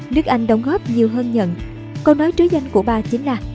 đức anh đóng góp nhiều hơn nhận câu nói trới danh của bà chính là